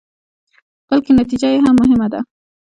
بلکې نتيجه يې هم مهمه ده.